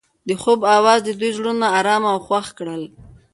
د خوب اواز د دوی زړونه ارامه او خوښ کړل.